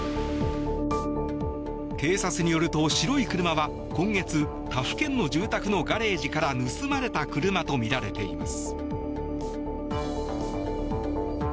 警察によると白い車は今月他府県の住宅のガレージから盗まれた車とみられています。